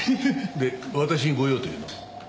で私にご用というのは？